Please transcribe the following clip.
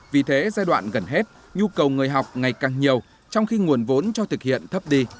vì thế giai đoạn gần hết nhu cầu người học ngày càng nhiều trong khi nguồn vốn cho thực hiện thấp đi